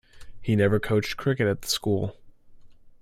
He never coached cricket at the school.